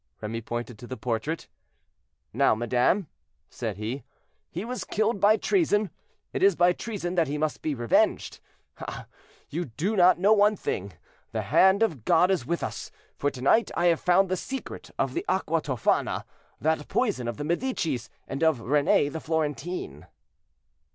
Remy pointed to the portrait. "Now, madame," said he, "he was killed by treason—it is by treason that he must be revenged. Ah! you do not know one thing—the hand of God is with us, for to night I have found the secret of the 'Aqua tofana,' that poison of the Medicis and of Rene the Florentine."